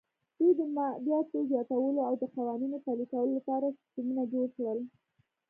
دوی د مالیاتو زیاتولو او د قوانینو پلي کولو لپاره سیستمونه جوړ کړل